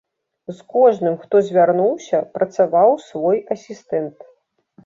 З кожным, хто звярнуўся, працаваў свой асістэнт.